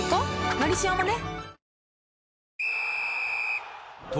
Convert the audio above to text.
「のりしお」もね